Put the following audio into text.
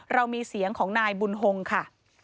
เรามีเสียงของนายบุญฮงค่ะ